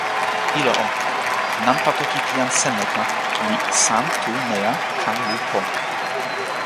ilo o, nanpa toki pi jan Senleka li San Tu Neja, Ka Lu Po.